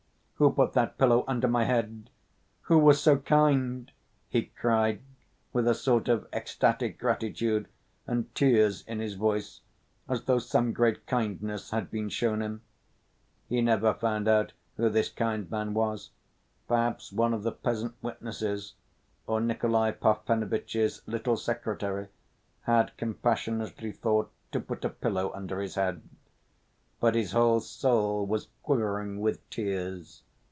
"Who put that pillow under my head? Who was so kind?" he cried, with a sort of ecstatic gratitude, and tears in his voice, as though some great kindness had been shown him. He never found out who this kind man was; perhaps one of the peasant witnesses, or Nikolay Parfenovitch's little secretary, had compassionately thought to put a pillow under his head; but his whole soul was quivering with tears.